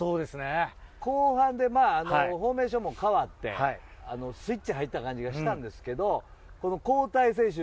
後半でフォーメーションも変わってスイッチが入った感じがしたんですけど交代選手